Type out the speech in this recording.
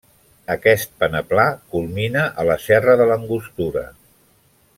Aquest peneplà culmina a la serra de l'Angostura.